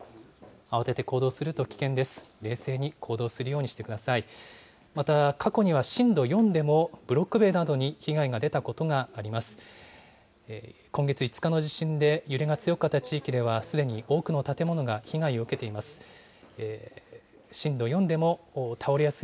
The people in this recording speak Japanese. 慌てて行動すると危険です。